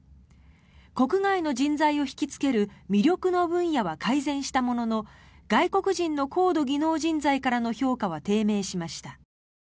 国外の人材を引きつける魅力の分野は改善したものの外国人の高度技能人材からの評価は低迷しました。